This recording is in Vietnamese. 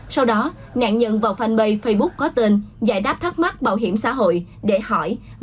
sau đó nạn nhân vào fanpage facebook có tên giải đáp thắc mắc bảo hiểm xã hội để hỏi